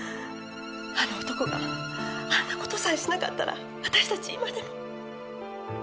あの男があんな事さえしなかったら私たち今でも。